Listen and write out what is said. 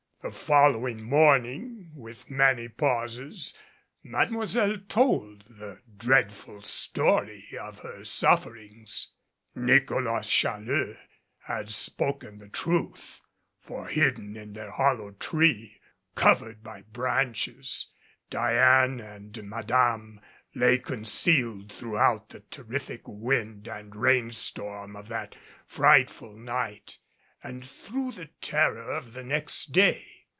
The following morning, with many pauses, Mademoiselle told the dreadful story of her sufferings. Nicholas Challeux had spoken the truth. For hidden in their hollow tree, covered by branches, Diane and Madame lay concealed throughout the terrific wind and rain storm of that frightful night and through the terror of the next day.